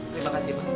terima kasih pak